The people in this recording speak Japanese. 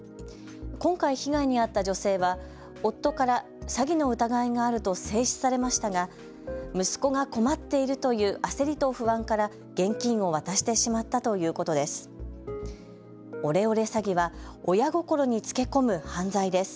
今回、被害に遭った女性は夫から詐欺の疑いがあると制止されましたが、息子が困っているという焦りと不安から現金を渡してしまったということです。